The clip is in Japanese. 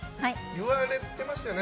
言われてましたよね？